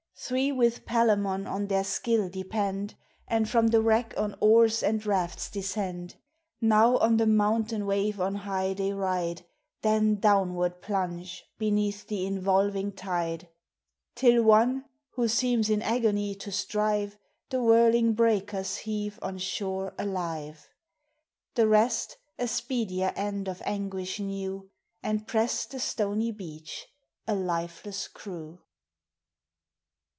Three with Palemon on their skill depend, And from the wreck on oars and rafts descend. Now on the mountain wave on high they ride, Then downward plunge beneath the involving tide, Till one, who seems in agony to strive, The whirling breakers heave on shore alive; The rest a speedier end of anguish knew, And pressed the stony beach, a lifeless crew